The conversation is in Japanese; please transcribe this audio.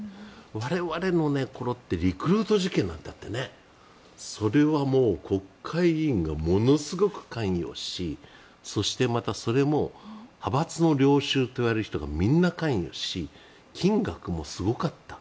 我々の頃ってリクルート事件があってそれはもう、国会議員がものすごく会議をしそして、またそれも派閥の領袖といわれる人がみんな関与し金額もすごかった。